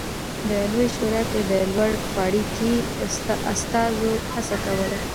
د لویې شورا کې د لوړ پاړکي استازو هڅه کوله